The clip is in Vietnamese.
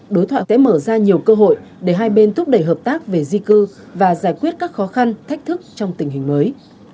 đối thoại sẽ mở ra nhiều cơ hội để hai bên thúc đẩy hợp tác về di cư và giải quyết các khó khăn thách thức trong tình hình mới